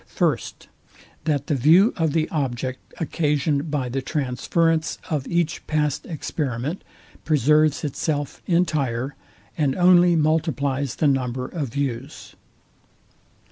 First, That the view of the object, occasioned by the transference of each past experiment, preserves itself entire, and only multiplies the number of views.